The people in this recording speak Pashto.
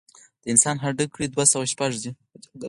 د انسان هډوکي دوه سوه شپږ دي.